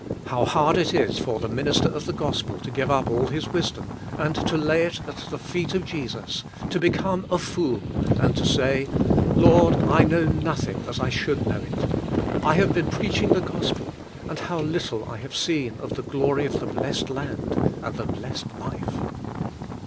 How hard it is for the minister of the Gospel to give up all his wis dom, and to lay it at the feet of Jesus, to become a fool and to say: "Lord, I know nothing as I should know it. I have been preaching the Gos pel, and how little I have seen of the glory of the blessed land, and the blessed life!"